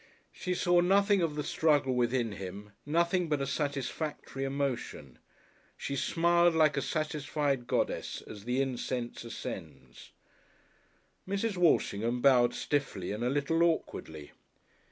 She saw nothing of the struggle within him, nothing but a satisfactory emotion. She smiled like a satisfied goddess as the incense ascends. Mrs. Walshingham bowed stiffly and a little awkwardly.